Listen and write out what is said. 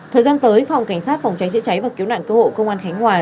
thời gian tới phòng cảnh sát phòng trái chữa cháy và cứu nạn cơ hội công an khánh hòa